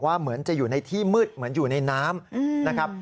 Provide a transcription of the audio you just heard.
เหมือนจะอยู่ในที่มืดเหมือนอยู่ในน้ำนะครับ